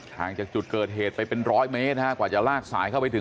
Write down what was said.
ห่างจากจุดเกิดเหตุไปเป็นร้อยเมตรกว่าจะลากสายเข้าไปถึง